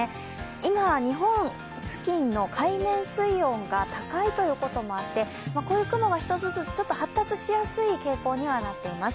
今、日本付近の海面水温が高いということもあって、こういう雲が一つずつ発達しやすい傾向になっています。